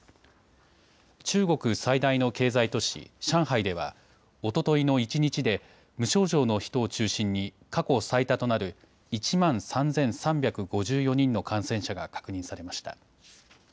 中国最大の経済都市、上海ではおとといの一日で無症状の人を中心に過去最多となる１万３３５４人の感染者が確認されました。